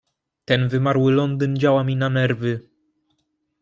"Ten wymarły Londyn działa mi na nerwy."